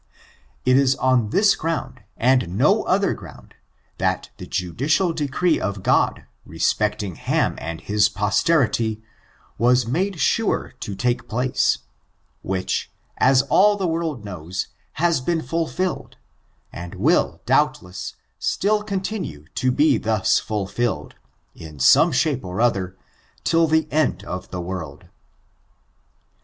It is on this ground, and no other ground, that the ju dicial decree of God, respecting Ham and his posteri ty, was made sure to take place, which, as all the world knows, has been fulfilled, and will, doubtless, still continue to be thus fulfilled, in some shape or other, till the end of the world.